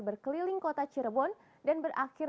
berkeliling kota cirebon dan berakhir